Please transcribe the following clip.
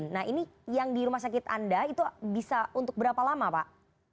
nah ini yang di rumah sakit anda itu bisa untuk berapa lama pak